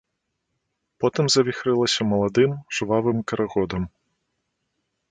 Потым завіхрылася маладым, жвавым карагодам.